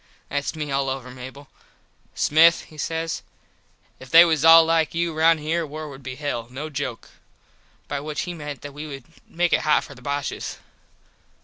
Thats me all over, Mable. "Smith" he says "If they was all like you round here war would be hell, no joke." By which he meant that we would make it hot for the Boshes.